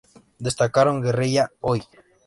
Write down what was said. Destacaron Guerrilla Oi!